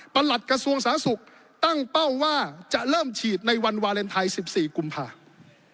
หลัดกระทรวงสาธารณสุขตั้งเป้าว่าจะเริ่มฉีดในวันวาเลนไทย๑๔กุมภาคม